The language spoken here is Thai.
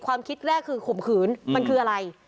ความคิดแรกคือข่มขืนมันคืออะไร